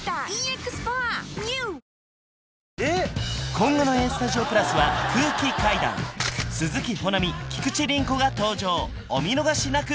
今後の「ＡＳＴＵＤＩＯ＋」は空気階段鈴木保奈美菊地凛子が登場お見逃しなく！